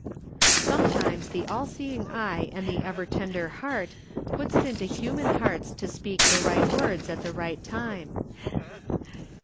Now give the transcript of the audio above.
Sometimes the All seeing Eye and the ever tender Heart puts it into hu man hearts to speak the right words at the right time.